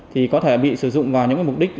thì có thể bị sử dụng vào những mục đích